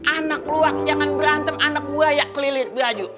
anak luwak jangan berantem anak buaya kelilit baju